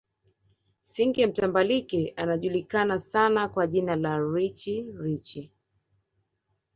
Single mtambalike anajulikana sana kwa jina la Richie Rich